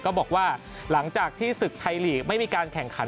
ก็บอกว่าหลังจากที่ศึกไทยลีกไม่มีการแข่งขัน